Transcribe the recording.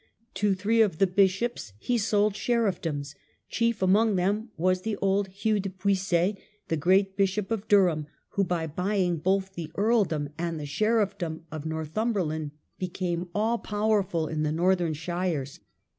To three of the bishops he sold sheriffdoms : chief among them was the old Hugh de Puiset, the great Bishop of Durham, who by buying both the earldom and the sheriffdom of North umberland became all powerful in the northern shires.